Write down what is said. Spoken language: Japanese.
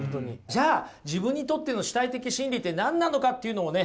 じゃあ自分にとっての主体的真理って何なのかっていうのをね